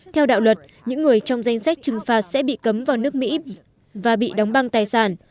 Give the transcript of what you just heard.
theo đạo luật những người trong danh sách trừng phạt sẽ bị cấm vào nước mỹ và bị đóng băng tài sản